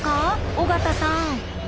尾形さん。